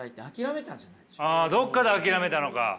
ああどっかで諦めたのか。